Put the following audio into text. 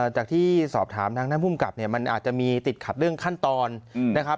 จากที่สอบถามทางด้านภูมิกับเนี่ยมันอาจจะมีติดขัดเรื่องขั้นตอนนะครับ